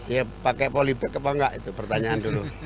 ya pakai politik apa enggak itu pertanyaan dulu